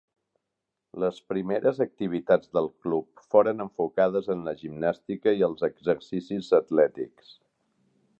Les primeres activitats del club foren enfocades en la gimnàstica i els exercicis atlètics.